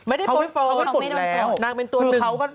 ไม่ได้ปฏิหรอกไม่โดนปฏิหรอกนางเป็นตัวหนึ่งเขาไม่ปฏิแล้ว